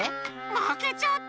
まけちゃった。